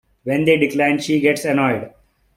When they decline, she gets annoyed.